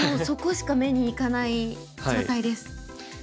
そこしか目にいかない状態です。